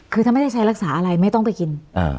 คือถ้าไม่ได้ใช้รักษาอะไรไม่ต้องไปกิน